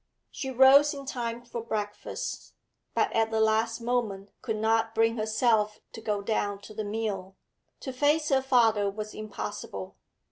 She rose in time for breakfast, but at the last moment could not bring herself to go down to the meal. To face her father was impossible.